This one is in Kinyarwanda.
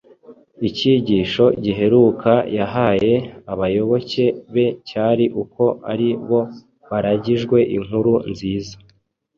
Icyigisho giheruka yahaye abayoboke be cyari uko ari bo baragijwe inkuru nziza